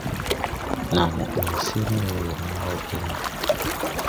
Naa mo ‘ũy sir ne weere nàa wɔ pel.